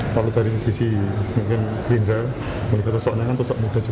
kalau dari sisi gerindra mereka tosoknya kan tosok muda juga